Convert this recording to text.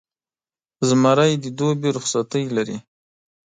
زمری د دوبي رخصتۍ لري.